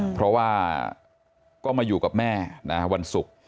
เพราะว่าก็มาอยู่กับแม่วันศุกร์